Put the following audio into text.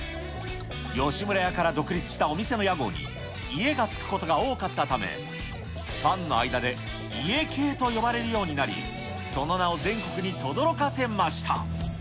吉村家から独立したお店の屋号に家が付くことが多かったため、ファンの間で家系と呼ばれるようになり、その名を全国にとどろかせました。